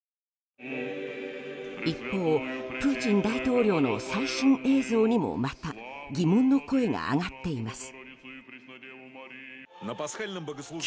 一方、プーチン大統領の最新映像にもまた疑問の声が上がっています。